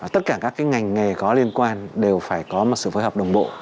tất cả các ngành nghề có liên quan đều phải có một sự phối hợp đồng bộ